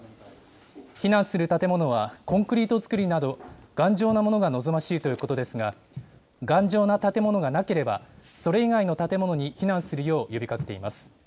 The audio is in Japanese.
避難する建物は、コンクリート造りなど頑丈なものが望ましいということですが、頑丈な建物がなければ、それ以外の建物に避難するよう呼びかけています。